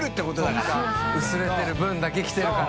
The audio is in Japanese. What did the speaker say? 中島）薄れてる分だけ来てるから。